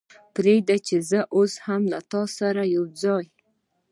پرېږدئ چې زه هم تاسې سره یو ځای.